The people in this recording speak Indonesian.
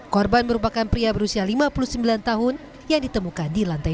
korban merupakan pria berusia lima puluh sembilan tahun yang ditemukan di lantai dua